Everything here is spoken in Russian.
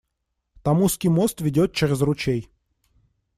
Там узкий мост ведет через ручей.